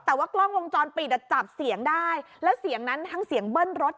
แต่ว่ากล้องวงจรปิดอ่ะจับเสียงได้แล้วเสียงนั้นทั้งเสียงเบิ้ลรถ